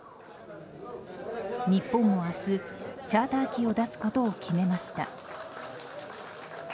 日本も明日、チャーター機を出すことを決めました。